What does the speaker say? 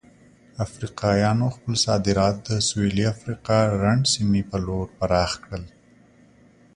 افریقایانو خپل صادرات د سویلي افریقا رنډ سیمې په لور پراخ کړل.